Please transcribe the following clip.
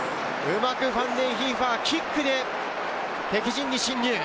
うまくファンデンヒーファーがキックで敵陣に侵入。